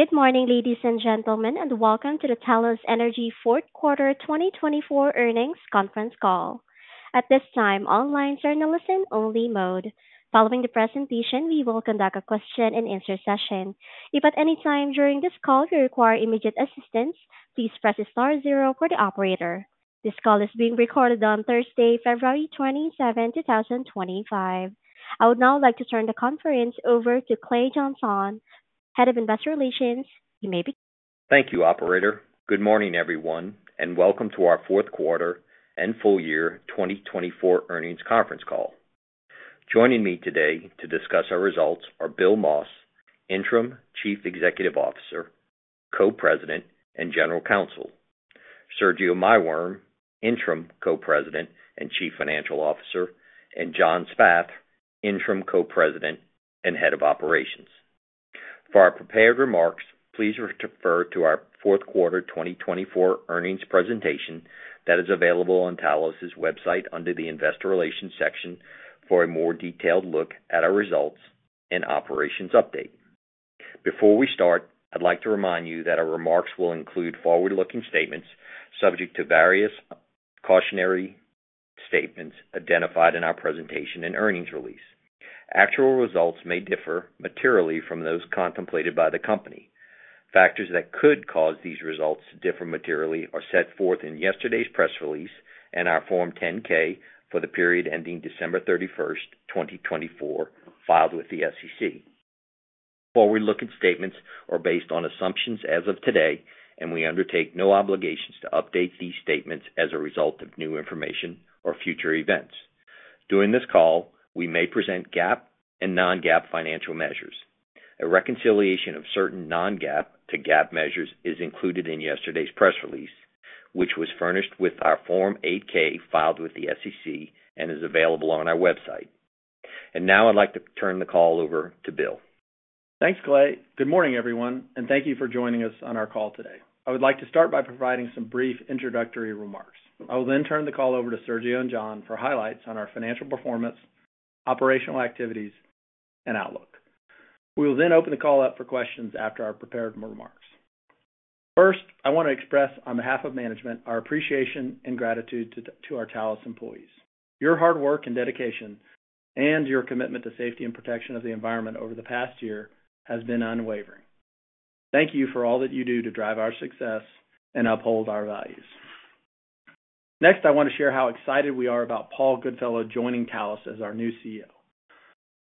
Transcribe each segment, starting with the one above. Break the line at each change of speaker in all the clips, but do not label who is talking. Good morning, ladies and gentlemen, and welcome to the Talos Energy Fourth Quarter 2024 Earnings Conference Call. At this time, all lines are in a listen-only mode. Following the presentation, we will conduct a question-and-answer session. If at any time during this call you require immediate assistance, please press star zero for the operator. This call is being recorded on Thursday, February 27, 2025. I would now like to turn the conference over to Clay Jeansonne, Head of Investor Relations. You may begin.
Thank you, Operator. Good morning, everyone, and welcome to our Fourth Quarter and Full Year 2024 Earnings Conference Call. Joining me today to discuss our results are Bill Moss, Interim Chief Executive Officer, Co-President, and General Counsel, Sergio Maiworm, Interim Co-President and Chief Financial Officer, and John Spath, Interim Co-President and Head of Operations. For our prepared remarks, please refer to our fourth quarter 2024 earnings presentation that is available on Talos' website under the Investor Relations section for a more detailed look at our results and operations update. Before we start, I'd like to remind you that our remarks will include forward-looking statements subject to various cautionary statements identified in our presentation and earnings release. Actual results may differ materially from those contemplated by the company. Factors that could cause these results to differ materially are set forth in yesterday's press release and our Form 10-K for the period ending December 31st, 2024, filed with the SEC. Forward-looking statements are based on assumptions as of today, and we undertake no obligations to update these statements as a result of new information or future events. During this call, we may present GAAP and non-GAAP financial measures. A reconciliation of certain non-GAAP to GAAP measures is included in yesterday's press release, which was furnished with our Form 8-K filed with the SEC and is available on our website. Now I'd like to turn the call over to Bill.
Thanks, Clay. Good morning, everyone, and thank you for joining us on our call today. I would like to start by providing some brief introductory remarks. I will then turn the call over to Sergio and John for highlights on our financial performance, operational activities, and outlook. We will then open the call up for questions after our prepared remarks. First, I want to express, on behalf of management, our appreciation and gratitude to our Talos employees. Your hard work and dedication and your commitment to safety and protection of the environment over the past year have been unwavering. Thank you for all that you do to drive our success and uphold our values. Next, I want to share how excited we are about Paul Goodfellow joining Talos as our new CEO.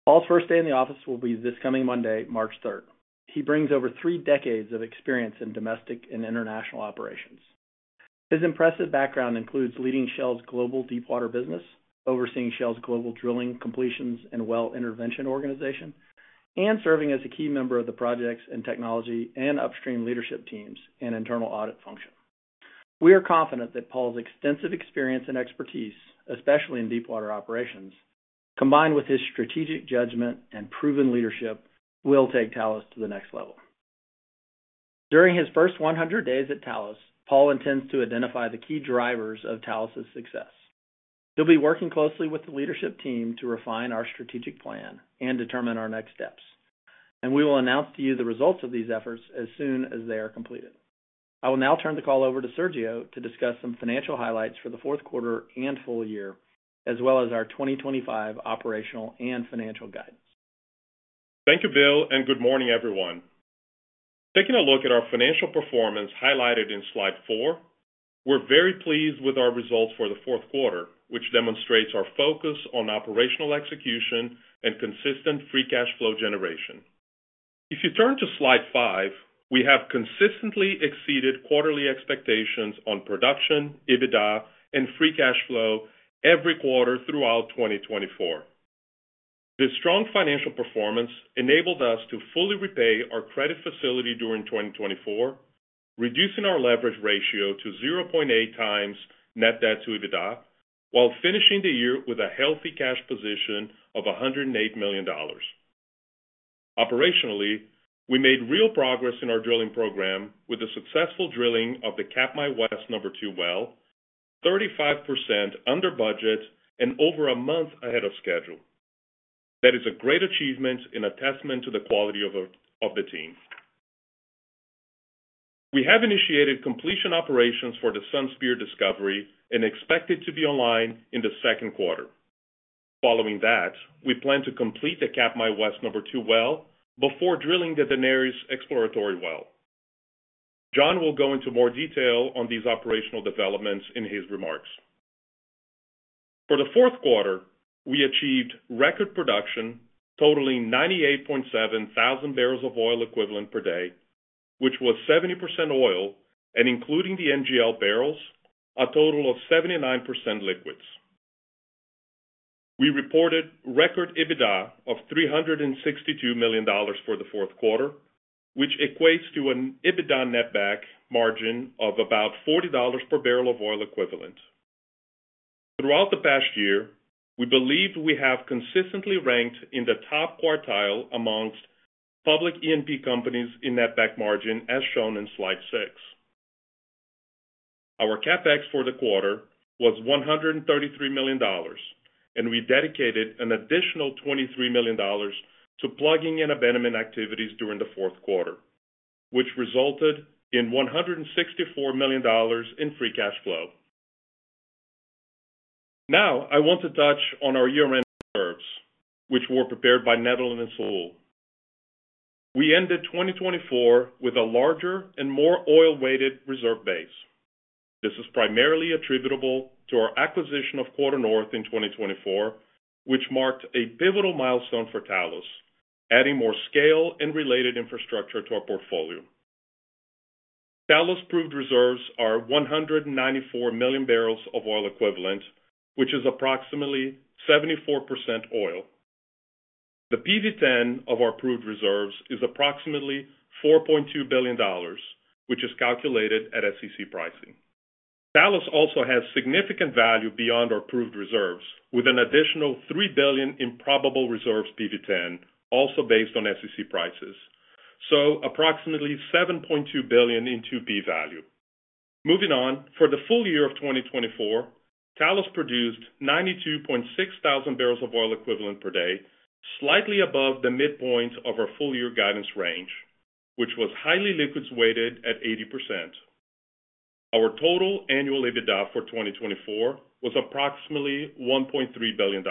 Paul's first day in the office will be this coming Monday, March 3rd. He brings over three decades of experience in domestic and international operations. His impressive background includes leading Shell's global deepwater business, overseeing Shell's global drilling, completions, and well intervention organization, and serving as a key member of the projects and technology and upstream leadership teams and internal audit function. We are confident that Paul's extensive experience and expertise, especially in deepwater operations, combined with his strategic judgment and proven leadership, will take Talos to the next level. During his first 100 days at Talos, Paul intends to identify the key drivers of Talos' success. He'll be working closely with the leadership team to refine our strategic plan and determine our next steps, and we will announce to you the results of these efforts as soon as they are completed. I will now turn the call over to Sergio to discuss some financial highlights for the fourth quarter and full year, as well as our 2025 operational and financial guidance.
Thank you, Bill, and good morning, everyone. Taking a look at our financial performance highlighted in Slide 4, we're very pleased with our results for the fourth quarter, which demonstrates our focus on operational execution and consistent free cash flow generation. If you turn to Slide 5, we have consistently exceeded quarterly expectations on production, EBITDA, and free cash flow every quarter throughout 2024. This strong financial performance enabled us to fully repay our credit facility during 2024, reducing our leverage ratio to 0.8x net debt to EBITDA, while finishing the year with a healthy cash position of $108 million. Operationally, we made real progress in our drilling program with the successful drilling of the Katmai West #2 well, 35% under budget and over a month ahead of schedule. That is a great achievement and a testament to the quality of the team. We have initiated completion operations for the Sunspear Discovery and expect it to be online in the second quarter. Following that, we plan to complete the Katmai West #2 well before drilling the Daenerys Exploratory Well. John will go into more detail on these operational developments in his remarks. For fourth quarter, we achieved record production, totaling 98.7 thousand barrels of oil equivalent per day, which was 70% oil and including the NGL barrels, a total of 79% liquids. We reported record EBITDA of $362 million for fourth quarter, which equates to an EBITDA netback margin of about $40 per barrel of oil equivalent. Throughout the past year, we believe we have consistently ranked in the top quartile amongst public E&P companies in netback margin, as shown in Slide 6. Our CapEx for the quarter was $133 million, and we dedicated an additional $23 million to plugging and abandonment activities during fourth quarter which resulted in $164 million in free cash flow. Now, I want to touch on our year-end reserves, which were prepared by Netherland and Sewell. We ended 2024 with a larger and more oil-weighted reserve base. This is primarily attributable to our acquisition of QuarterNorth in 2024, which marked a pivotal milestone for Talos, adding more scale and related infrastructure to our portfolio. Talos proved reserves are 194 million barrels of oil equivalent, which is approximately 74% oil. The PV-10 of our proved reserves is approximately $4.2 billion, which is calculated at SEC pricing. Talos also has significant value beyond our proved reserves, with an additional $3 billion in probable reserves PV-10, also based on SEC prices, so approximately $7.2 billion in total value. Moving on, for the full year of 2024, Talos produced 92.6 thousand barrels of oil equivalent per day, slightly above the midpoint of our full year guidance range, which was highly liquids weighted at 80%. Our total annual EBITDA for 2024 was approximately $1.3 billion.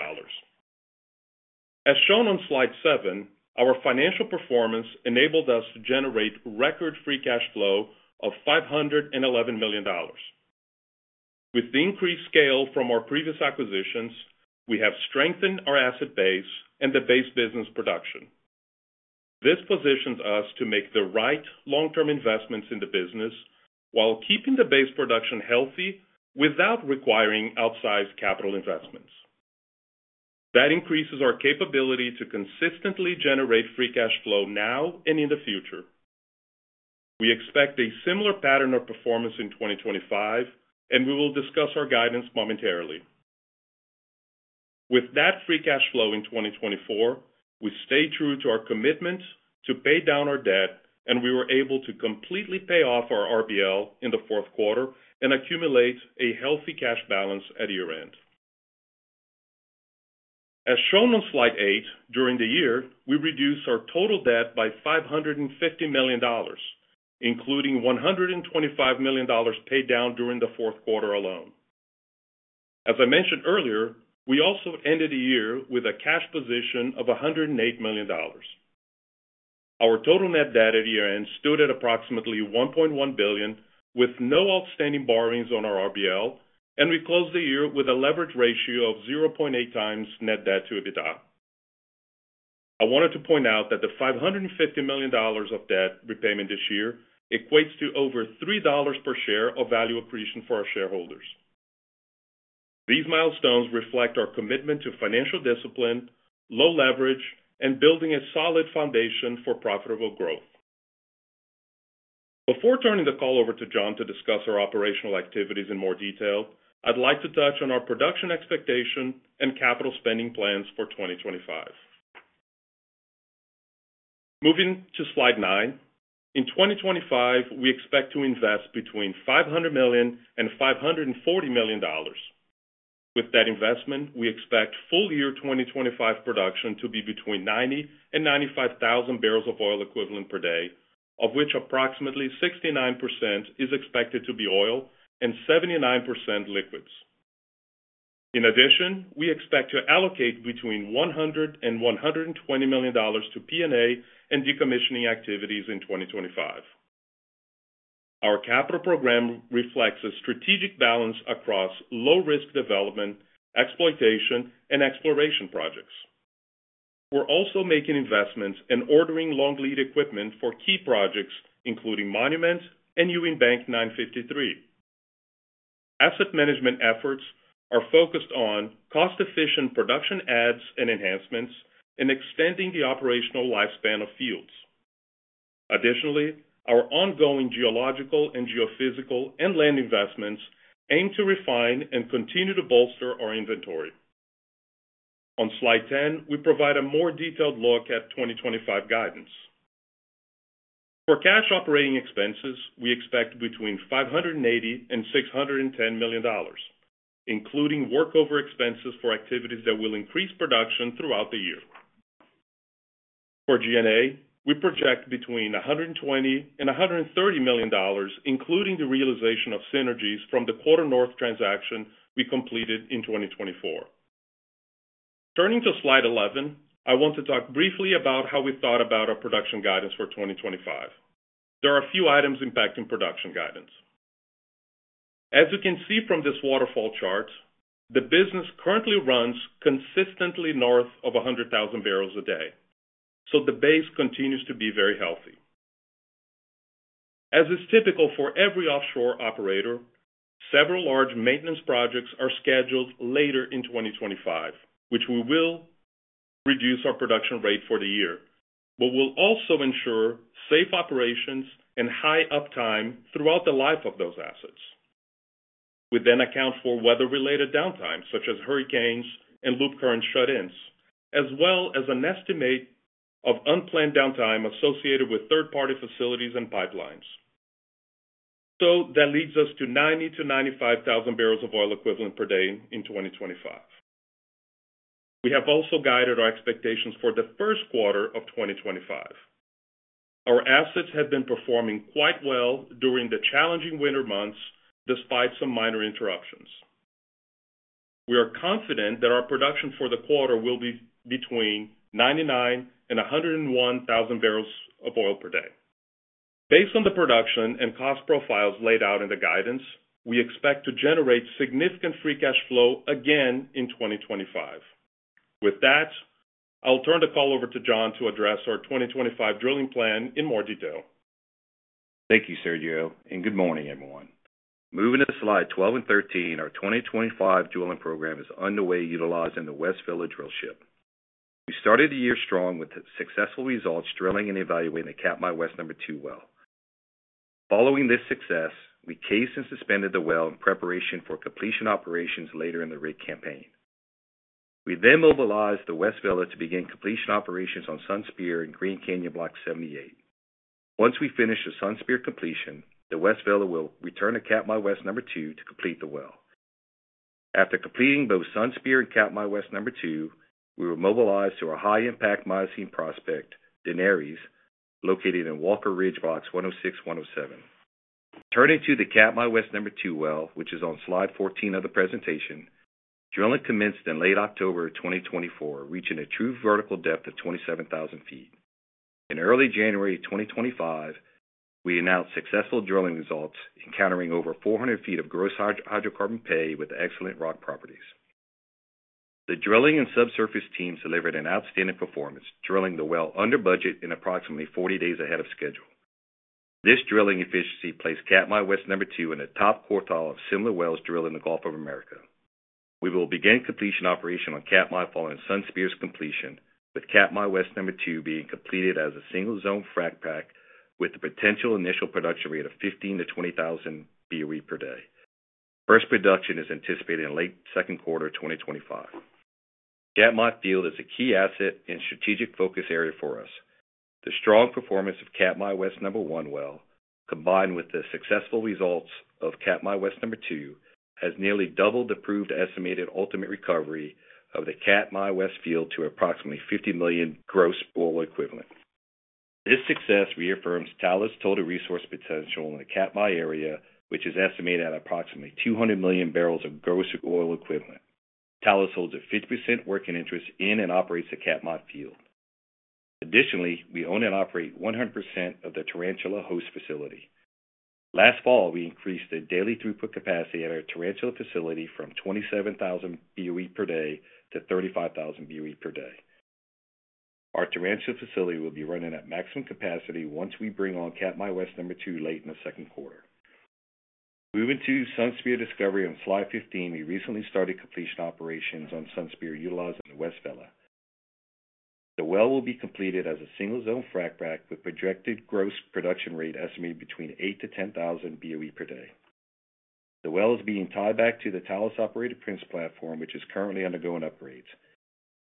As shown on Slide 7, our financial performance enabled us to generate record free cash flow of $511 million. With the increased scale from our previous acquisitions, we have strengthened our asset base and the base business production. This positions us to make the right long-term investments in the business while keeping the base production healthy without requiring outsized capital investments. That increases our capability to consistently generate free cash flow now and in the future. We expect a similar pattern of performance in 2025, and we will discuss our guidance momentarily. With that free cash flow in 2024, we stayed true to our commitment to pay down our debt, and we were able to completely pay off our RBL in the fourth quarter and accumulate a healthy cash balance at year-end. As shown on Slide 8, during the year, we reduced our total debt by $550 million, including $125 million paid down during the fourth quarter alone. As I mentioned earlier, we also ended the year with a cash position of $108 million. Our total net debt at year-end stood at approximately $1.1 billion, with no outstanding borrowings on our RBL, and we closed the year with a leverage ratio of 0.8x net debt to EBITDA. I wanted to point out that the $550 million of debt repayment this year equates to over $3 per share of value accretion for our shareholders. These milestones reflect our commitment to financial discipline, low leverage, and building a solid foundation for profitable growth. Before turning the call over to John to discuss our operational activities in more detail, I'd like to touch on our production expectation and capital spending plans for 2025. Moving to Slide 9, in 2025, we expect to invest between $500 million and $540 million. With that investment, we expect full year 2025 production to be between 90 and 95 thousand barrels of oil equivalent per day, of which approximately 69% is expected to be oil and 79% liquids. In addition, we expect to allocate between $100 and $120 million to P&A and decommissioning activities in 2025. Our capital program reflects a strategic balance across low-risk development, exploitation, and exploration projects. We're also making investments in ordering long lead equipment for key projects, including Monument and Ewing Bank 953. Asset management efforts are focused on cost-efficient production adds and enhancements and extending the operational lifespan of fields. Additionally, our ongoing geological and geophysical and land investments aim to refine and continue to bolster our inventory. On Slide 10, we provide a more detailed look at 2025 guidance. For cash operating expenses, we expect between $580-$610 million, including workover expenses for activities that will increase production throughout the year. For G&A, we project between $120-$130 million, including the realization of synergies from the QuarterNorth transaction we completed in 2024. Turning to Slide 11, I want to talk briefly about how we thought about our production guidance for 2025. There are a few items impacting production guidance. As you can see from this waterfall chart, the business currently runs consistently north of 100,000 barrels a day, so the base continues to be very healthy. As is typical for every offshore operator, several large maintenance projects are scheduled later in 2025, which will reduce our production rate for the year, but will also ensure safe operations and high uptime throughout the life of those assets. We then account for weather-related downtime, such as hurricanes and Loop Current shut-ins, as well as an estimate of unplanned downtime associated with third-party facilities and pipelines. So that leads us to 90-95 thousand barrels of oil equivalent per day in 2025. We have also guided our expectations for the first quarter of 2025. Our assets have been performing quite well during the challenging winter months, despite some minor interruptions. We are confident that our production for the quarter will be between 99 and 101 thousand barrels of oil per day. Based on the production and cost profiles laid out in the guidance, we expect to generate significant free cash flow again in 2025. With that, I'll turn the call over to John to address our 2025 drilling plan in more detail.
Thank you, Sergio, and good morning, everyone. Moving to Slide 12 and 13, our 2025 drilling program is underway utilizing the West Vela drill ship. We started the year strong with successful results drilling and evaluating the Katmai West #2 well. Following this success, we cased and suspended the well in preparation for completion operations later in the rig campaign. We then mobilized the West Vela to begin completion operations on Sunspear and Green Canyon Block 78. Once we finish the Sunspear completion, the West Vela will return to Katmai West #2 to complete the well. After completing both Sunspear and Katmai West #2, we were mobilized to our high-impact Miocene prospect, Daenerys, located in Walker Ridge blocks 106, 107. Turning to the Katmai West #2 well, which is on Slide 14 of the presentation, drilling commenced in late October 2024, reaching a true vertical depth of 27,000 feet. In early January 2025, we announced successful drilling results, encountering over 400 feet of gross hydrocarbon pay with excellent rock properties. The drilling and subsurface teams delivered an outstanding performance, drilling the well under budget and approximately 40 days ahead of schedule. This drilling efficiency placed Katmai West #2 in the top quartile of similar wells drilled in the Gulf of America. We will begin completion operation on Katmai following Sunspear's completion, with Katmai West #2 being completed as a single zone frac pack with the potential initial production rate of 15-20 thousand BOE per day. First production is anticipated in late second quarter of 2025. Katmai field is a key asset and strategic focus area for us. The strong performance of Katmai West number one well, combined with the successful results of Katmai West #2, has nearly doubled the proved estimated ultimate recovery of the Katmai West field to approximately 50 million gross oil equivalent. This success reaffirms Talos' total resource potential in the Katmai area, which is estimated at approximately 200 million barrels of gross oil equivalent. Talos holds a 50% working interest in and operates the Katmai field. Additionally, we own and operate 100% of the Tarantula host facility. Last fall, we increased the daily throughput capacity at our Tarantula facility from 27,000 BOE per day to 35,000 BOE per day. Our Tarantula facility will be running at maximum capacity once we bring on Katmai West #2 late in the second quarter. Moving to Sunspear Discovery on Slide 15, we recently started completion operations on Sunspear utilizing the West Vela. The well will be completed as a single zone frac pack with projected gross production rate estimated between 8,000-10,000 BOE per day. The well is being tied back to the Talos-operated Prince platform, which is currently undergoing upgrades.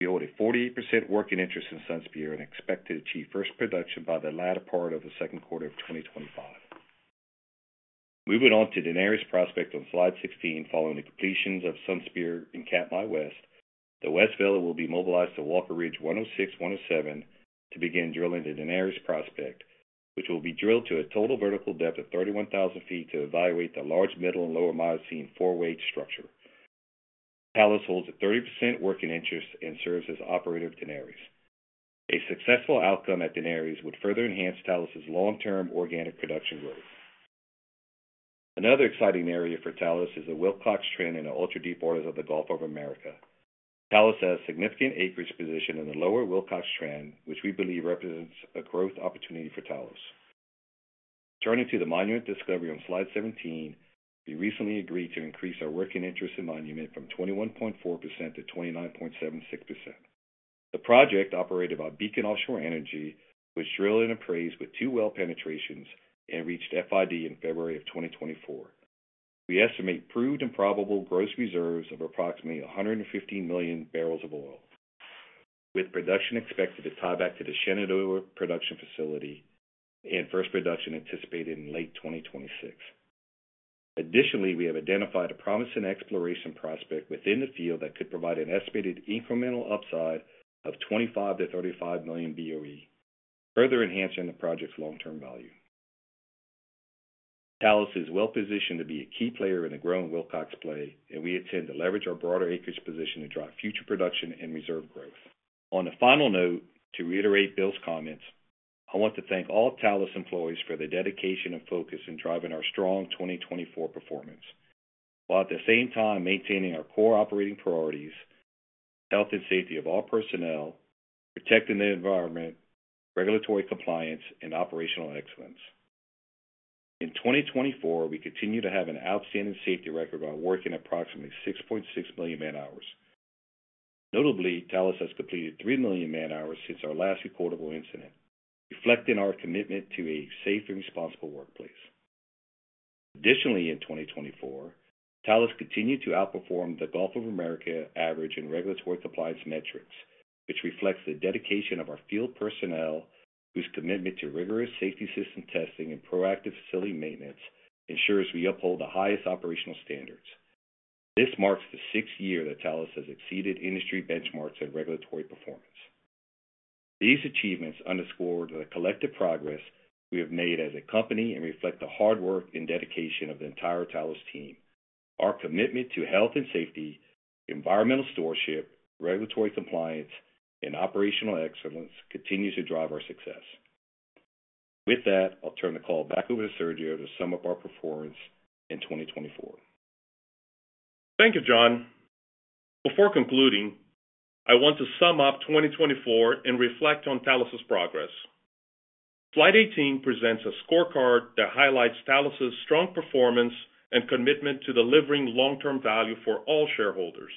We hold a 48% working interest in Sunspear and expect to achieve first production by the latter part of the second quarter of 2025. Moving on to Daenerys prospect on Slide 16, following the completions of Sunspear and Katmai West, the West Vela will be mobilized to Walker Ridge 106, 107 to begin drilling at Daenerys prospect, which will be drilled to a true vertical depth of 31,000 feet to evaluate the large Middle and Lower Miocene four-way structure. Talos holds a 30% working interest and serves as operator of Daenerys. A successful outcome at Daenerys would further enhance Talos' long-term organic production growth. Another exciting area for Talos is the Wilcox Trend in the ultra-deep waters of the Gulf of America. Talos has a significant acreage position in the Lower Wilcox Trend, which we believe represents a growth opportunity for Talos. Turning to the Monument Discovery on Slide 17, we recently agreed to increase our working interest in Monument from 21.4% to 29.76%. The project operated by Beacon Offshore Energy was drilled and appraised with two well penetrations and reached FID in February of 2024. We estimate proved and probable gross reserves of approximately 115 million barrels of oil, with production expected to tie back to the Shenandoah production facility and first production anticipated in late 2026. Additionally, we have identified a promising exploration prospect within the field that could provide an estimated incremental upside of 25-35 million BOE, further enhancing the project's long-term value. Talos is well positioned to be a key player in the growing Wilcox play, and we intend to leverage our broader acreage position to drive future production and reserve growth. On a final note, to reiterate Bill's comments, I want to thank all Talos employees for their dedication and focus in driving our strong 2024 performance, while at the same time maintaining our core operating priorities: health and safety of all personnel, protecting the environment, regulatory compliance, and operational excellence. In 2024, we continue to have an outstanding safety record by working approximately 6.6 million man-hours. Notably, Talos has completed 3 million man-hours since our last recordable incident, reflecting our commitment to a safe and responsible workplace. Additionally, in 2024, Talos continued to outperform the Gulf of America average in regulatory compliance metrics, which reflects the dedication of our field personnel, whose commitment to rigorous safety system testing and proactive facility maintenance ensures we uphold the highest operational standards. This marks the sixth year that Talos has exceeded industry benchmarks and regulatory performance. These achievements underscore the collective progress we have made as a company and reflect the hard work and dedication of the entire Talos team. Our commitment to health and safety, environmental stewardship, regulatory compliance, and operational excellence continues to drive our success. With that, I'll turn the call back over to Sergio to sum up our performance in 2024.
Thank you, John. Before concluding, I want to sum up 2024 and reflect on Talos' progress. Slide 18 presents a scorecard that highlights Talos' strong performance and commitment to delivering long-term value for all shareholders.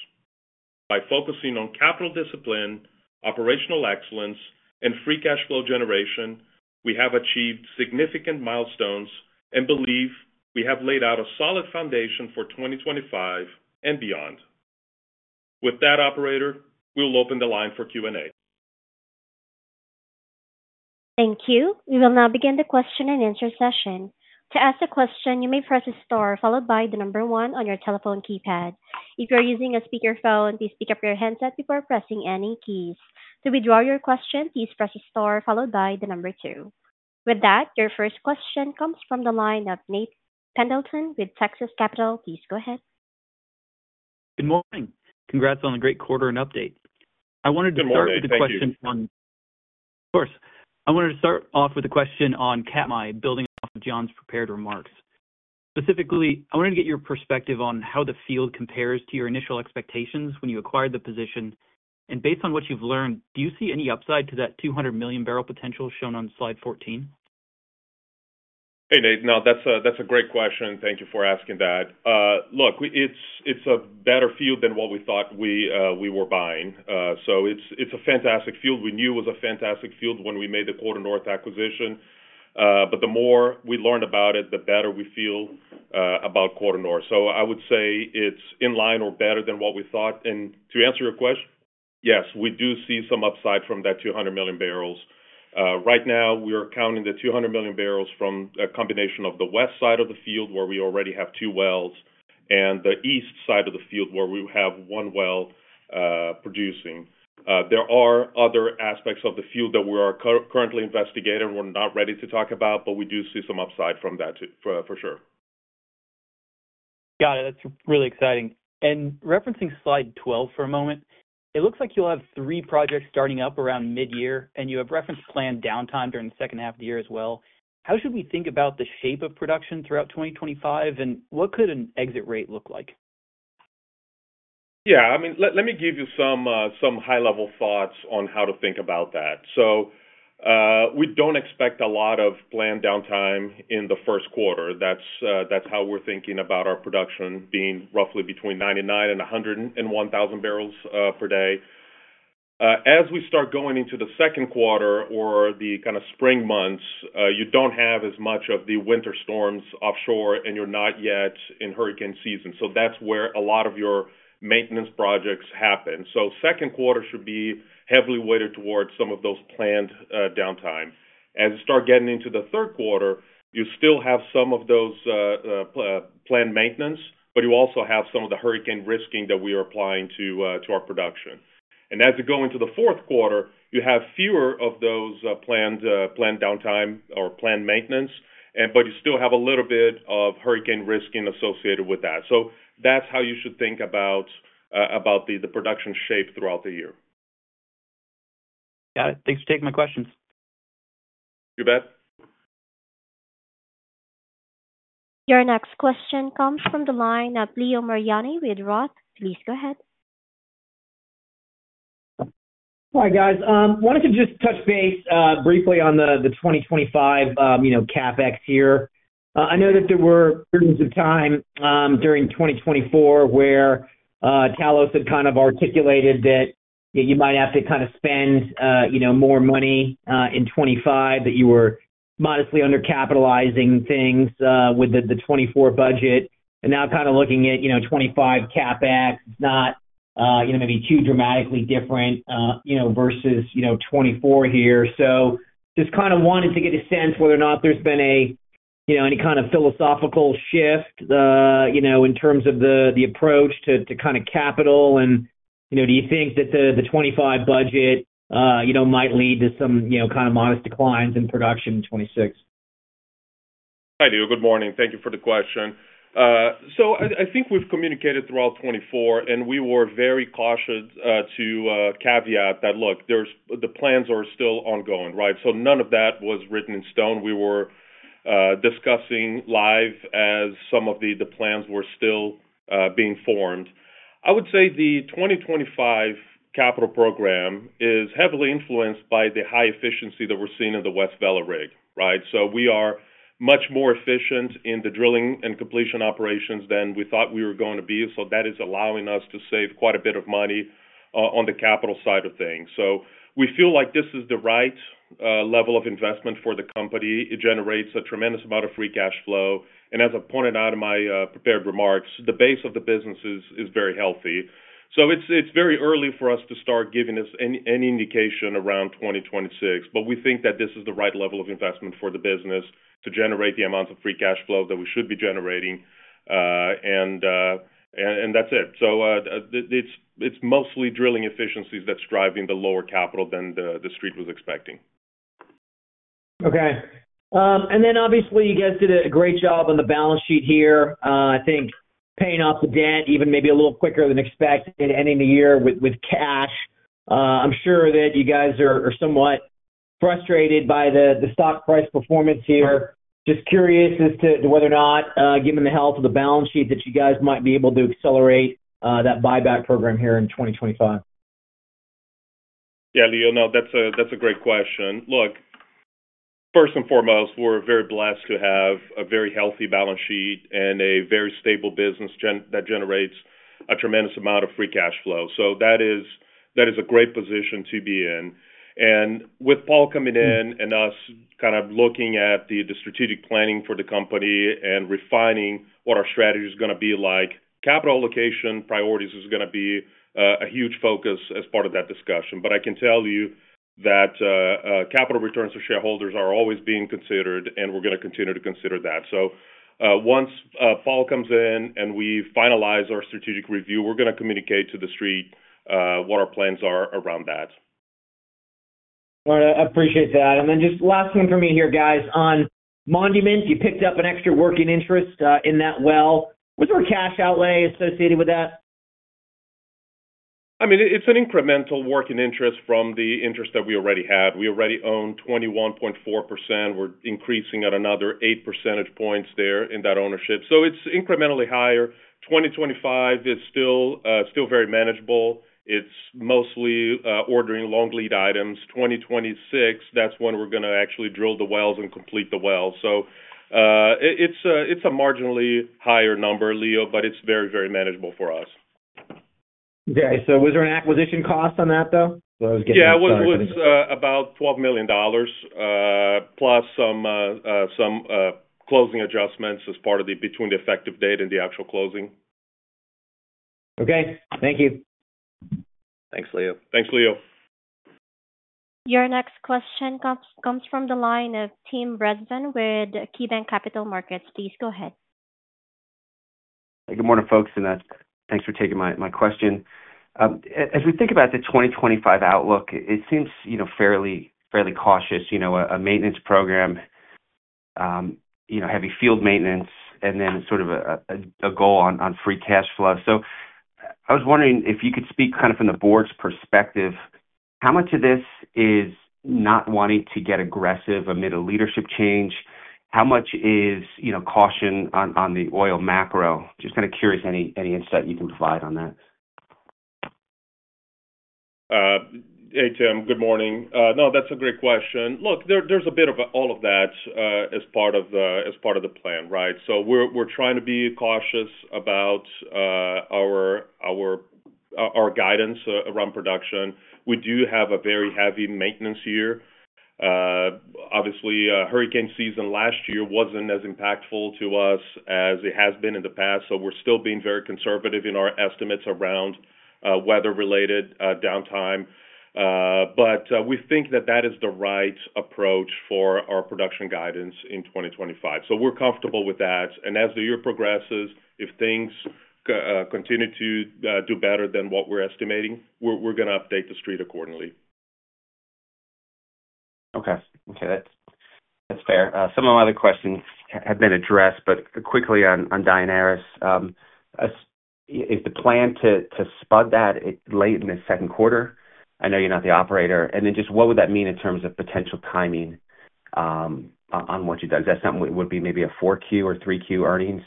By focusing on capital discipline, operational excellence, and free cash flow generation, we have achieved significant milestones and believe we have laid out a solid foundation for 2025 and beyond. With that, operator, we'll open the line for Q&A.
Thank you. We will now begin the question and answer session. To ask a question, you may press a star followed by the number one on your telephone keypad. If you're using a speakerphone, please pick up your headset before pressing any keys. To withdraw your question, please press a star followed by the number two. With that, your first question comes from the line of Nate Pendleton with Texas Capital. Please go ahead.
Good morning. Congrats on a great quarter and update. I wanted to start with a question on.
Good morning, Nate.
Of course. I wanted to start off with a question on Katmai, building off of John's prepared remarks. Specifically, I wanted to get your perspective on how the field compares to your initial expectations when you acquired the position, and based on what you've learned, do you see any upside to that 200 million-barrel potential shown on Slide 14?
Hey, Nate. No, that's a great question. Thank you for asking that. Look, it's a better field than what we thought we were buying, so it's a fantastic field. We knew it was a fantastic field when we made the QuarterNorth acquisition, but the more we learn about it, the better we feel about QuarterNorth, so I would say it's in line or better than what we thought, and to answer your question, yes, we do see some upside from that 200 million barrels. Right now, we are counting the 200 million barrels from a combination of the west side of the field, where we already have two wells, and the east side of the field, where we have one well producing. There are other aspects of the field that we are currently investigating and we're not ready to talk about, but we do see some upside from that for sure.
Got it. That's really exciting, and referencing Slide 12 for a moment, it looks like you'll have three projects starting up around mid-year, and you have referenced planned downtime during the second half of the year as well. How should we think about the shape of production throughout 2025, and what could an exit rate look like?
Yeah. I mean, let me give you some high-level thoughts on how to think about that. So we don't expect a lot of planned downtime in the first quarter. That's how we're thinking about our production being roughly between 99 and 101 thousand barrels per day. As we start going into the second quarter or the kind of spring months, you don't have as much of the winter storms offshore, and you're not yet in hurricane season. So that's where a lot of your maintenance projects happen. So second quarter should be heavily weighted towards some of those planned downtime. As you start getting into the third quarter, you still have some of those planned maintenance, but you also have some of the hurricane risking that we are applying to our production. And as you go into the fourth quarter, you have fewer of those planned downtime or planned maintenance, but you still have a little bit of hurricane risking associated with that. So that's how you should think about the production shape throughout the year.
Got it. Thanks for taking my questions.
You bet.
Your next question comes from the line of Leo Mariani with ROTH. Please go ahead.
Hi, guys. I wanted to just touch base briefly on the 2025 CapEx here. I know that there were periods of time during 2024 where Talos had kind of articulated that you might have to kind of spend more money in 2025, that you were modestly undercapitalizing things with the 2024 budget. And now kind of looking at 2025 CapEx, it's not maybe too dramatically different versus 2024 here. So just kind of wanted to get a sense whether or not there's been any kind of philosophical shift in terms of the approach to kind of capital. And do you think that the 2025 budget might lead to some kind of modest declines in production in 2026?
I do. Good morning. Thank you for the question. So I think we've communicated throughout 2024, and we were very cautious to caveat that, look, the plans are still ongoing, right? So none of that was written in stone. We were discussing live as some of the plans were still being formed. I would say the 2025 capital program is heavily influenced by the high efficiency that we're seeing in the West Vela rig, right? So we are much more efficient in the drilling and completion operations than we thought we were going to be. So that is allowing us to save quite a bit of money on the capital side of things. So we feel like this is the right level of investment for the company. It generates a tremendous amount of free cash flow. And as I pointed out in my prepared remarks, the base of the business is very healthy. So it's very early for us to start giving us any indication around 2026, but we think that this is the right level of investment for the business to generate the amount of free cash flow that we should be generating. And that's it. So it's mostly drilling efficiencies that's driving the lower capital than the street was expecting.
Okay. And then obviously, you guys did a great job on the balance sheet here. I think paying off the debt even maybe a little quicker than expected, ending the year with cash. I'm sure that you guys are somewhat frustrated by the stock price performance here. Just curious as to whether or not, given the health of the balance sheet, that you guys might be able to accelerate that buyback program here in 2025.
Yeah, Leo, no, that's a great question. Look, first and foremost, we're very blessed to have a very healthy balance sheet and a very stable business that generates a tremendous amount of free cash flow. So that is a great position to be in. And with Paul coming in and us kind of looking at the strategic planning for the company and refining what our strategy is going to be like, capital allocation priorities is going to be a huge focus as part of that discussion. But I can tell you that capital returns to shareholders are always being considered, and we're going to continue to consider that. So once Paul comes in and we finalize our strategic review, we're going to communicate to the street what our plans are around that.
All right. I appreciate that. And then just last thing for me here, guys, on Monument, you picked up an extra working interest in that well. Was there a cash outlay associated with that?
I mean, it's an incremental working interest from the interest that we already have. We already own 21.4%. We're increasing at another eight percentage points there in that ownership. So it's incrementally higher. 2025 is still very manageable. It's mostly ordering long lead items. 2026, that's when we're going to actually drill the wells and complete the wells. So it's a marginally higher number, Leo, but it's very, very manageable for us.
Okay. So was there an acquisition cost on that, though? So I was getting a sense of.
Yeah, it was about $12 million, plus some closing adjustments as part of the period between the effective date and the actual closing.
Okay. Thank you.
Thanks, Leo.
Thanks, Leo.
Your next question comes from the line of Tim Rezvan with KeyBanc Capital Markets. Please go ahead.
Good morning, folks. And thanks for taking my question. As we think about the 2025 outlook, it seems fairly cautious, a maintenance program, heavy field maintenance, and then sort of a goal on free cash flow. So I was wondering if you could speak kind of from the board's perspective, how much of this is not wanting to get aggressive amid a leadership change? How much is caution on the oil macro? Just kind of curious any insight you can provide on that?
Hey, Tim. Good morning. No, that's a great question. Look, there's a bit of all of that as part of the plan, right? So we're trying to be cautious about our guidance around production. We do have a very heavy maintenance year. Obviously, hurricane season last year wasn't as impactful to us as it has been in the past. So we're still being very conservative in our estimates around weather-related downtime. But we think that that is the right approach for our production guidance in 2025. So we're comfortable with that. And as the year progresses, if things continue to do better than what we're estimating, we're going to update the street accordingly.
Okay. Okay. That's fair. Some of my other questions have been addressed, but quickly on Daenerys, is the plan to spud that late in the second quarter? I know you're not the operator. And then just what would that mean in terms of potential timing on what you've done? Is that something that would be maybe a 4Q or 3Q earnings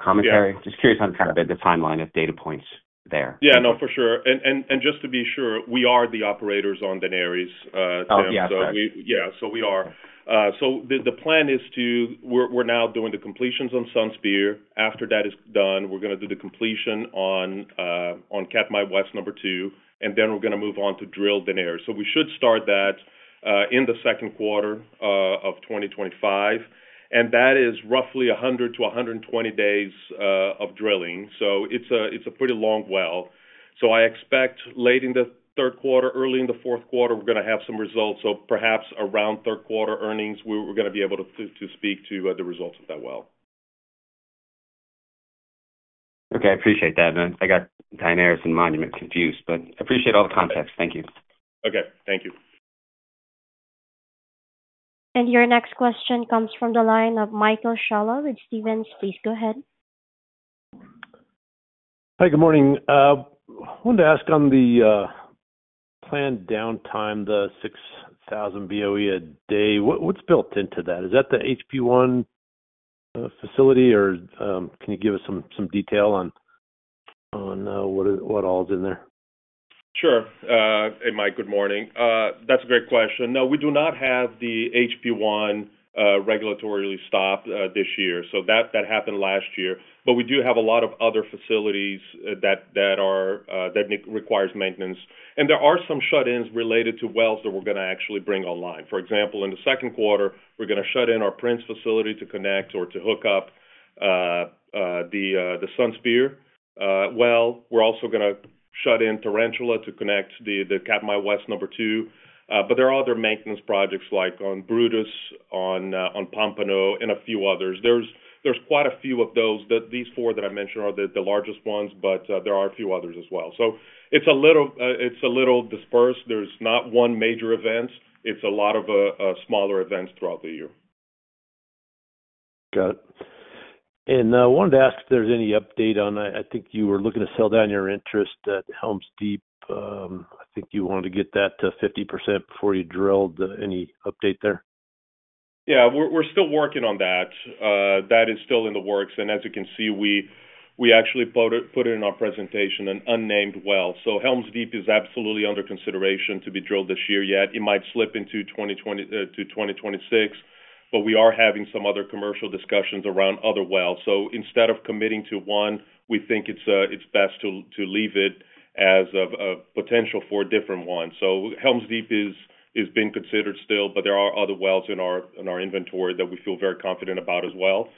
commentary? Just curious on kind of the timeline of data points there.
Yeah. No, for sure, and just to be sure, we are the operators on Daenerys, Tim.
Oh, yeah. Okay.
Yeah. So we are. So the plan is, we're now doing the completions on Sunspear. After that is done, we're going to do the completion on Katmai West #2, and then we're going to move on to drill Daenerys. So we should start that in the second quarter of 2025. And that is roughly 100-120 days of drilling. So it's a pretty long well. So I expect late in the third quarter, early in the fourth quarter, we're going to have some results. So perhaps around third quarter earnings, we're going to be able to speak to the results of that well.
Okay. I appreciate that. I got Daenerys and Monument confused, but I appreciate all the context. Thank you.
Okay. Thank you.
Your next question comes from the line of Michael Scialla with Stephens. Please go ahead.
Hi. Good morning. I wanted to ask on the planned downtime, the 6,000 BOE a day, what's built into that? Is that the HP-1 facility, or can you give us some detail on what all is in there?
Sure. Hey, Mike. Good morning. That's a great question. No, we do not have the HP-1 regulatory stop this year. So that happened last year. But we do have a lot of other facilities that require maintenance. And there are some shut-ins related to wells that we're going to actually bring online. For example, in the second quarter, we're going to shut in our Prince facility to connect or to hook up the Sunspear well. We're also going to shut in Tarantula to connect the Katmai West #2. But there are other maintenance projects like on Brutus, on Pompano, and a few others. There's quite a few of those. These four that I mentioned are the largest ones, but there are a few others as well. So it's a little dispersed. There's not one major event. It's a lot of smaller events throughout the year.
Got it. And I wanted to ask if there's any update on that. I think you were looking to sell down your interest at Helms Deep. I think you wanted to get that to 50% before you drilled. Any update there?
Yeah. We're still working on that. That is still in the works. And as you can see, we actually put it in our presentation, an unnamed well. So Helms Deep is absolutely under consideration to be drilled this year yet. It might slip into 2026, but we are having some other commercial discussions around other wells. So instead of committing to one, we think it's best to leave it as a potential for a different one. So Helms Deep is being considered still, but there are other wells in our inventory that we feel very confident about as well.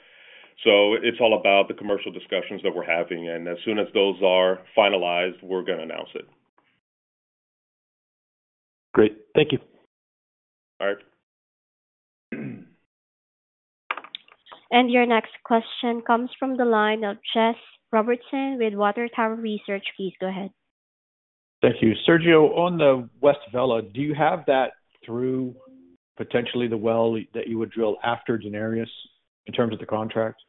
So it's all about the commercial discussions that we're having. And as soon as those are finalized, we're going to announce it.
Great. Thank you.
All right.
Your next question comes from the line of Jeff Robertson with Water Tower Research. Please go ahead.
Thank you. Sergio, on the West Vela, do you have that through potentially the well that you would drill after Daenerys in terms of the contract?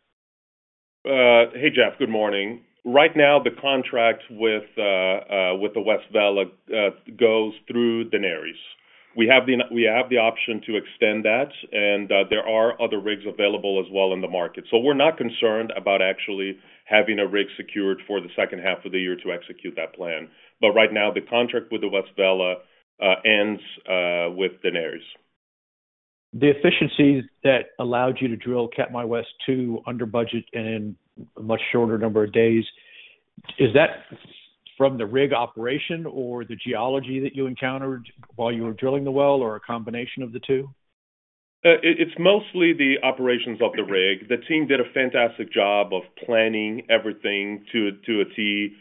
Hey, Jeff. Good morning. Right now, the contract with the West Vela goes through Daenerys. We have the option to extend that, and there are other rigs available as well in the market. So we're not concerned about actually having a rig secured for the second half of the year to execute that plan. But right now, the contract with the West Vela ends with Daenerys.
The efficiencies that allowed you to drill Katmai West 2 under budget and in a much shorter number of days, is that from the rig operation or the geology that you encountered while you were drilling the well or a combination of the two?
It's mostly the operations of the rig. The team did a fantastic job of planning everything to a tee.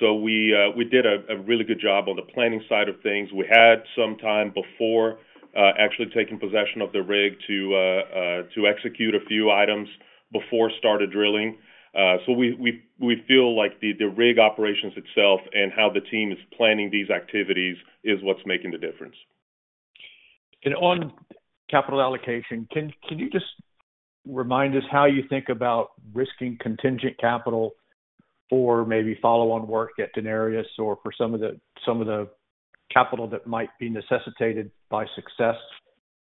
So we did a really good job on the planning side of things. We had some time before actually taking possession of the rig to execute a few items before started drilling. So we feel like the rig operations itself and how the team is planning these activities is what's making the difference.
On capital allocation, can you just remind us how you think about risking contingent capital for maybe follow-on work at Daenerys or for some of the capital that might be necessitated by success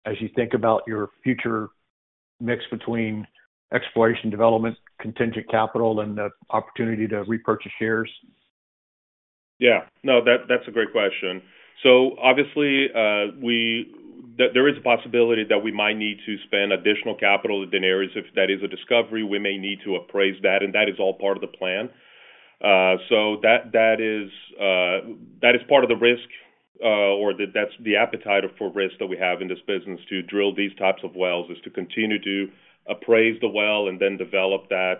as you think about your future mix between exploration development, contingent capital, and the opportunity to repurchase shares?
Yeah. No, that's a great question. So obviously, there is a possibility that we might need to spend additional capital at Daenerys. If that is a discovery, we may need to appraise that, and that is all part of the plan. So that is part of the risk, or that's the appetite for risk that we have in this business to drill these types of wells, is to continue to appraise the well and then develop that.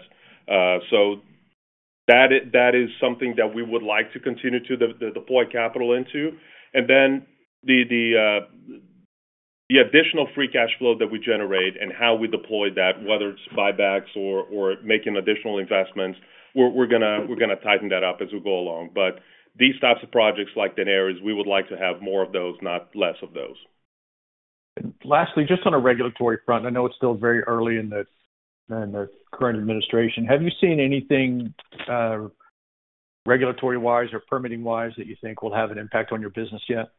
So that is something that we would like to continue to deploy capital into. And then the additional free cash flow that we generate and how we deploy that, whether it's buybacks or making additional investments, we're going to tighten that up as we go along. But these types of projects like Daenerys, we would like to have more of those, not less of those.
Lastly, just on a regulatory front, I know it's still very early in the current administration. Have you seen anything regulatory-wise or permitting-wise that you think will have an impact on your business yet?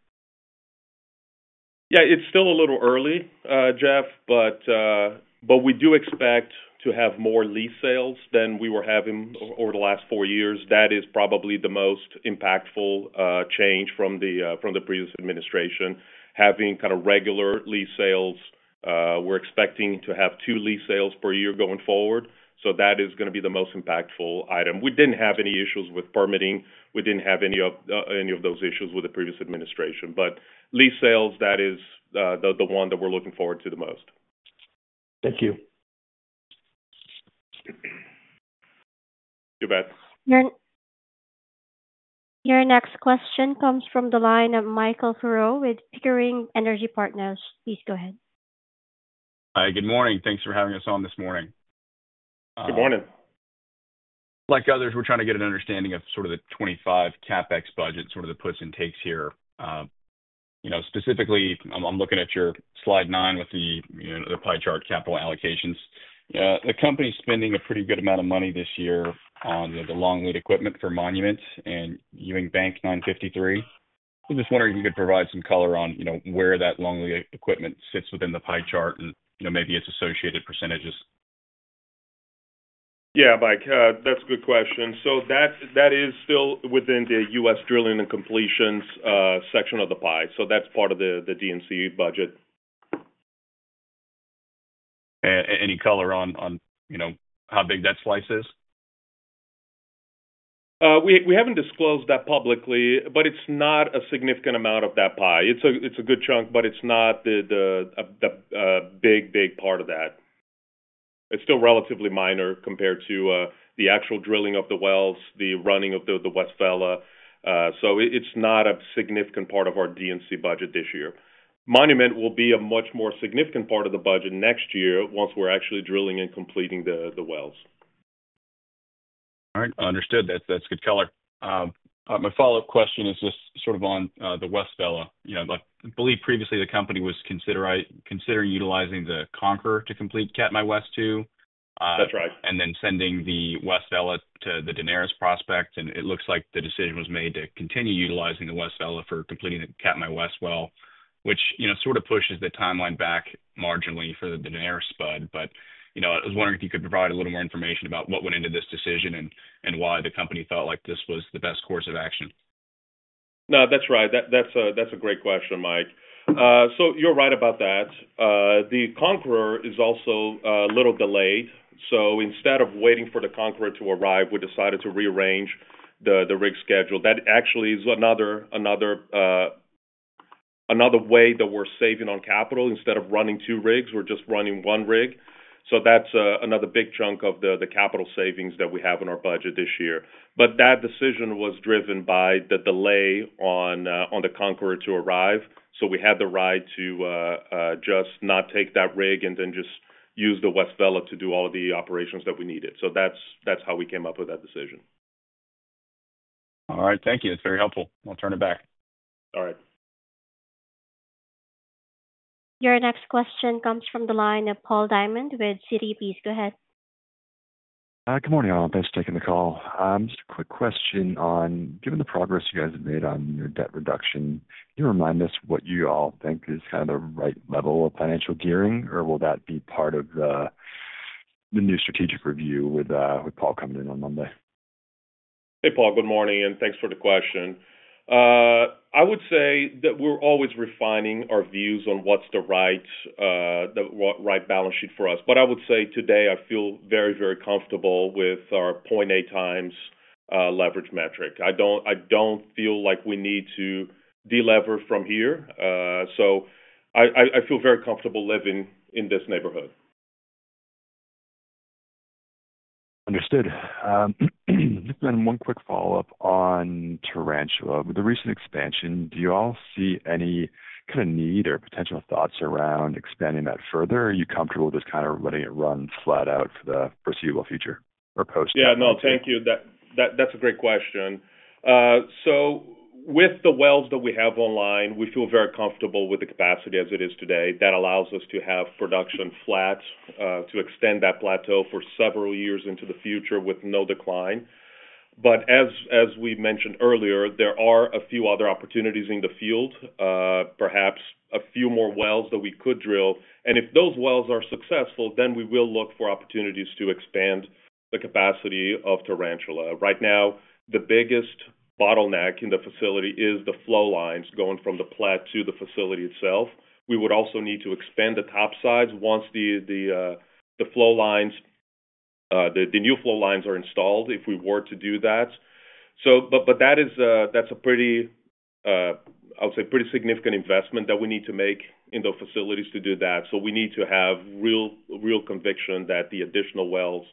Yeah. It's still a little early, Jeff, but we do expect to have more lease sales than we were having over the last four years. That is probably the most impactful change from the previous administration, having kind of regular lease sales. We're expecting to have two lease sales per year going forward. So that is going to be the most impactful item. We didn't have any issues with permitting. We didn't have any of those issues with the previous administration. But lease sales, that is the one that we're looking forward to the most.
Thank you.
You bet.
Your next question comes from the line of Michael Furrow with Pickering Energy Partners. Please go ahead.
Hi. Good morning. Thanks for having us on this morning.
Good morning.
Like others, we're trying to get an understanding of sort of the 2025 CapEx budget, sort of the puts and takes here. Specifically, I'm looking at your Slide 9 with the pie chart, capital allocations. The company's spending a pretty good amount of money this year on the long lead equipment for Monument and Ewing Bank 953. I was just wondering if you could provide some color on where that long lead equipment sits within the pie chart and maybe its associated percentages.
Yeah, Mike. That's a good question. So that is still within the U.S. Drilling and Completions section of the pie. So that's part of the D&C budget.
Any color on how big that slice is?
We haven't disclosed that publicly, but it's not a significant amount of that pie. It's a good chunk, but it's not the big, big part of that. It's still relatively minor compared to the actual drilling of the wells, the running of the West Vela. So it's not a significant part of our D&C budget this year. Monument will be a much more significant part of the budget next year once we're actually drilling and completing the wells.
All right. Understood. That's good color. My follow-up question is just sort of on the West Vela. I believe previously the company was considering utilizing the Conqueror to complete Katmai West 2 and then sending the West Vela to the Daenerys prospect. And it looks like the decision was made to continue utilizing the West Vela for completing the Katmai West well, which sort of pushes the timeline back marginally for the Daenerys spud. But I was wondering if you could provide a little more information about what went into this decision and why the company felt like this was the best course of action.
No, that's right. That's a great question, Mike. So you're right about that. The Conqueror is also a little delayed. So instead of waiting for the Conqueror to arrive, we decided to rearrange the rig schedule. That actually is another way that we're saving on capital. Instead of running two rigs, we're just running one rig. So that's another big chunk of the capital savings that we have in our budget this year. But that decision was driven by the delay on the Conqueror to arrive. So we had the right to just not take that rig and then just use the West Vela to do all of the operations that we needed. So that's how we came up with that decision.
All right. Thank you. That's very helpful. I'll turn it back.
All right.
Your next question comes from the line of Paul Diamond with Citi. Please go ahead.
Good morning, all. Thanks for taking the call. Just a quick question on, given the progress you guys have made on your debt reduction, can you remind us what you all think is kind of the right level of financial gearing, or will that be part of the new strategic review with Paul coming in on Monday?
Hey, Paul. Good morning. And thanks for the question. I would say that we're always refining our views on what's the right balance sheet for us. But I would say today, I feel very, very comfortable with our 0.8x leverage metric. I don't feel like we need to deleverage from here. So I feel very comfortable living in this neighborhood.
Understood. Just one quick follow-up on Tarantula. With the recent expansion, do you all see any kind of need or potential thoughts around expanding that further, or are you comfortable just kind of letting it run flat out for the foreseeable future or post?
Yeah. No, thank you. That's a great question. So with the wells that we have online, we feel very comfortable with the capacity as it is today. That allows us to have production flat, to extend that plateau for several years into the future with no decline. But as we mentioned earlier, there are a few other opportunities in the field, perhaps a few more wells that we could drill. And if those wells are successful, then we will look for opportunities to expand the capacity of Tarantula. Right now, the biggest bottleneck in the facility is the flow lines going from the plant to the facility itself. We would also need to expand the topsides once the flow lines, the new flow lines, are installed if we were to do that. But that's a pretty, I would say, pretty significant investment that we need to make in the facilities to do that. So we need to have real conviction that the additional wells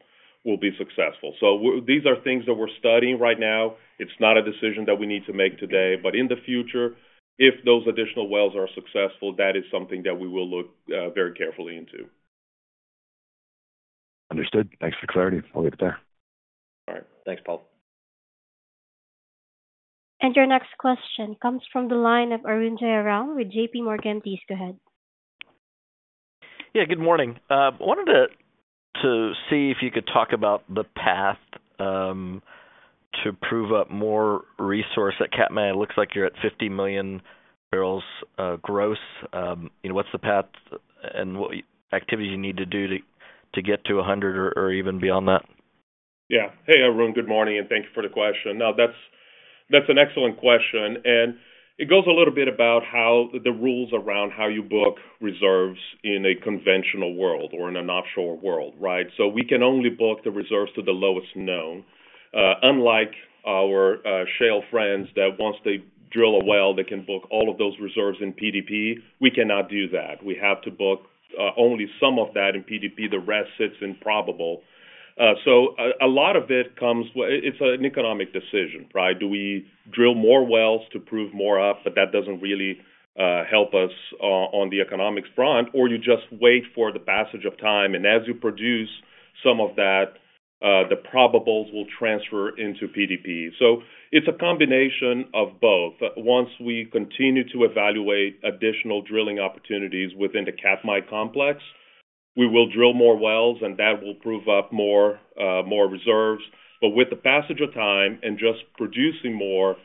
will be successful. So these are things that we're studying right now. It's not a decision that we need to make today. But in the future, if those additional wells are successful, that is something that we will look very carefully into.
Understood. Thanks for the clarity. I'll leave it there.
All right. Thanks, Paul.
Your next question comes from the line of Arun Jayaram with JPMorgan. Please go ahead.
Yeah. Good morning. I wanted to see if you could talk about the path to prove up more resource at Katmai. It looks like you're at 50 million barrels gross. What's the path and what activities you need to do to get to 100 or even beyond that?
Yeah. Hey, Arun. Good morning, and thank you for the question. No, that's an excellent question, and it goes a little bit about the rules around how you book reserves in a conventional world or in an offshore world, right? So we can only book the reserves to the lowest known. Unlike our shale friends that once they drill a well, they can book all of those reserves in PDP, we cannot do that. We have to book only some of that in PDP. The rest sits in probable. So a lot of it comes, it's an economic decision, right? Do we drill more wells to prove more up? But that doesn't really help us on the economics front, or you just wait for the passage of time, and as you produce some of that, the probables will transfer into PDP. So it's a combination of both. Once we continue to evaluate additional drilling opportunities within the Katmai complex, we will drill more wells, and that will prove up more reserves. But with the passage of time and just producing more,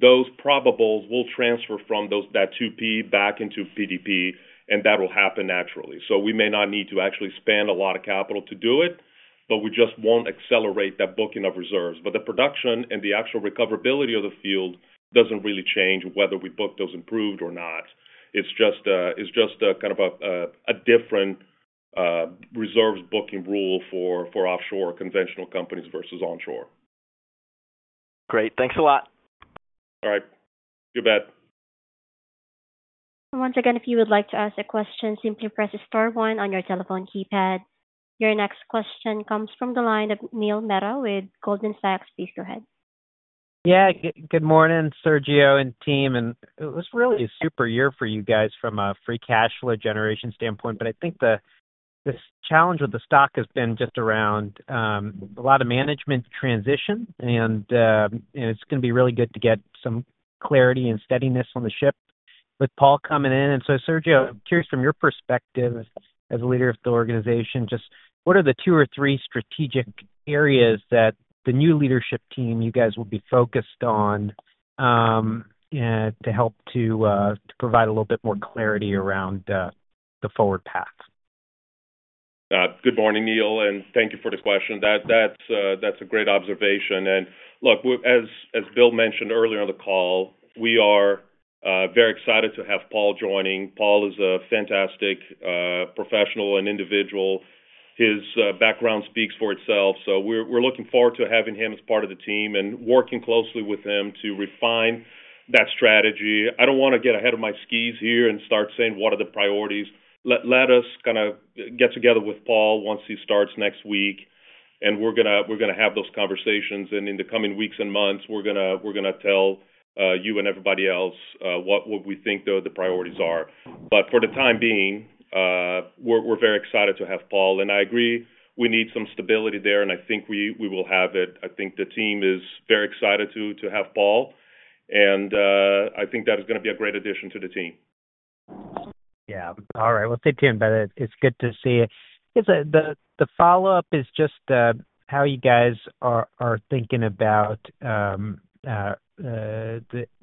those probables will transfer from that 2P back into PDP, and that will happen naturally. So we may not need to actually spend a lot of capital to do it, but we just won't accelerate that booking of reserves. But the production and the actual recoverability of the field doesn't really change whether we book those proved or not. It's just kind of a different reserves booking rule for offshore conventional companies versus onshore.
Great. Thanks a lot.
All right. You bet.
Once again, if you would like to ask a question, simply press Star 1 on your telephone keypad. Your next question comes from the line of Neil Mehta with Goldman Sachs. Please go ahead.
Yeah. Good morning, Sergio and team. And it was really a super year for you guys from a free cash flow generation standpoint. But I think this challenge with the stock has been just around a lot of management transition. And it's going to be really good to get some clarity and steadiness on the ship with Paul coming in. And so, Sergio, I'm curious from your perspective as a leader of the organization, just what are the two or three strategic areas that the new leadership team you guys will be focused on to help to provide a little bit more clarity around the forward path?
Good morning, Neil. And thank you for the question. That's a great observation. And look, as Bill mentioned earlier on the call, we are very excited to have Paul joining. Paul is a fantastic professional and individual. His background speaks for itself. So we're looking forward to having him as part of the team and working closely with him to refine that strategy. I don't want to get ahead of my skis here and start saying what are the priorities. Let us kind of get together with Paul once he starts next week, and we're going to have those conversations. And in the coming weeks and months, we're going to tell you and everybody else what we think the priorities are. But for the time being, we're very excited to have Paul. And I agree we need some stability there, and I think we will have it. I think the team is very excited to have Paul, and I think that is going to be a great addition to the team.
Yeah. All right. Thank you. It's good to see. The follow-up is just how you guys are thinking about the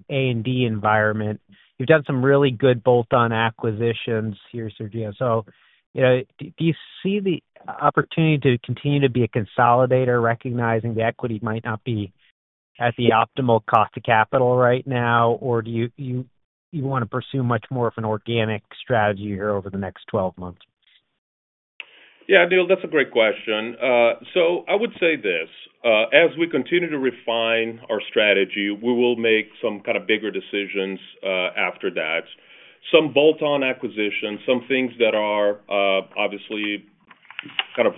A&D environment. You've done some really good bolt-on acquisitions here, Sergio. So do you see the opportunity to continue to be a consolidator, recognizing the equity might not be at the optimal cost of capital right now, or do you want to pursue much more of an organic strategy here over the next 12 months?
Yeah, Neil, that's a great question. So I would say this. As we continue to refine our strategy, we will make some kind of bigger decisions after that. Some bolt-on acquisitions, some things that are obviously kind of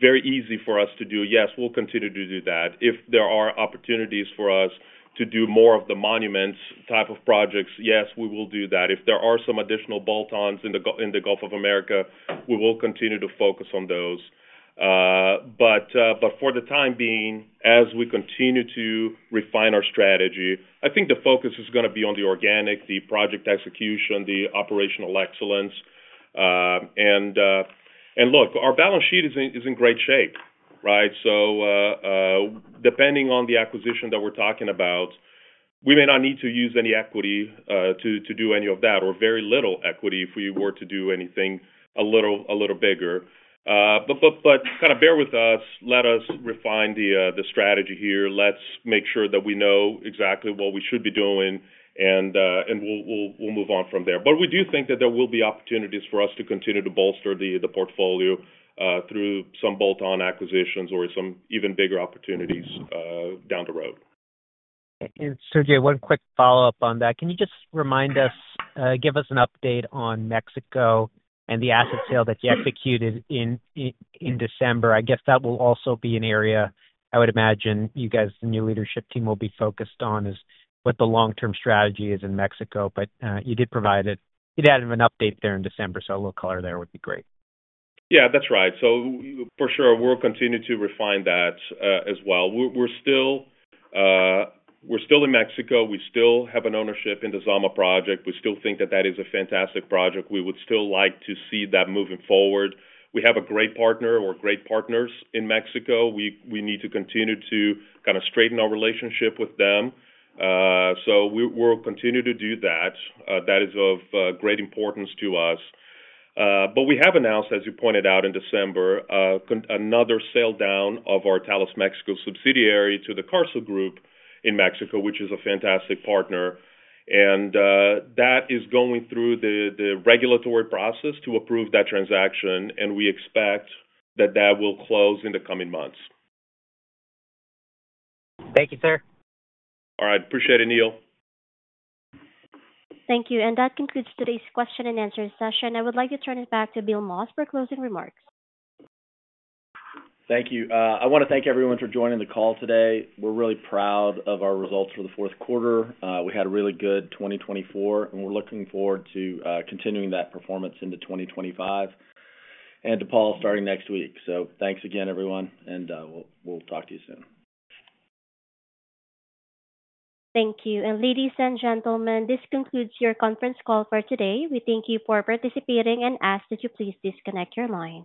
very easy for us to do, yes, we'll continue to do that. If there are opportunities for us to do more of the Monument type of projects, yes, we will do that. If there are some additional bolt-ons in the Gulf of America, we will continue to focus on those. But for the time being, as we continue to refine our strategy, I think the focus is going to be on the organic, the project execution, the operational excellence, and look, our balance sheet is in great shape, right? So depending on the acquisition that we're talking about, we may not need to use any equity to do any of that, or very little equity if we were to do anything a little bigger. But kind of bear with us. Let us refine the strategy here. Let's make sure that we know exactly what we should be doing, and we'll move on from there. But we do think that there will be opportunities for us to continue to bolster the portfolio through some bolt-on acquisitions or some even bigger opportunities down the road.
And Sergio, one quick follow-up on that. Can you just remind us, give us an update on Mexico and the asset sale that you executed in December? I guess that will also be an area I would imagine you guys, the new leadership team, will be focused on is what the long-term strategy is in Mexico. But you did provide it. You added an update there in December, so a little color there would be great.
Yeah, that's right. So for sure, we'll continue to refine that as well. We're still in Mexico. We still have an ownership in the Zama project. We still think that that is a fantastic project. We would still like to see that moving forward. We have a great partner or great partners in Mexico. We need to continue to kind of straighten our relationship with them. So we'll continue to do that. That is of great importance to us. But we have announced, as you pointed out in December, another sale down of our Talos Mexico subsidiary to the Carso Group in Mexico, which is a fantastic partner. And that is going through the regulatory process to approve that transaction. And we expect that that will close in the coming months.
Thank you, sir.
All right. Appreciate it, Neil.
Thank you. And that concludes today's question and answer session. I would like to turn it back to Bill Moss for closing remarks.
Thank you. I want to thank everyone for joining the call today. We're really proud of our results for the fourth quarter. We had a really good 2024, and we're looking forward to continuing that performance into 2025 and to Paul starting next week. So thanks again, everyone, and we'll talk to you soon.
Thank you. Ladies and gentlemen, this concludes your conference call for today. We thank you for participating and ask that you please disconnect your lines.